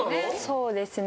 そうですね。